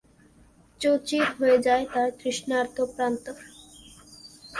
চৌচির হয়ে যায় তার তৃষ্ণার্ত প্রান্তর।